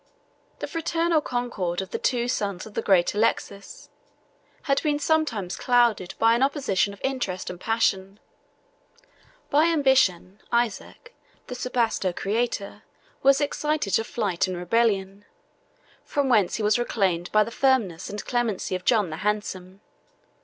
The fraternal concord of the two sons of the great Alexius had been sometimes clouded by an opposition of interest and passion. By ambition, Isaac the Sebastocrator was excited to flight and rebellion, from whence he was reclaimed by the firmness and clemency of John the Handsome.